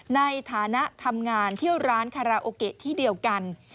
ในฐานะทำงานเที่ยวร้านคาราโอเกะที่เดียวกัน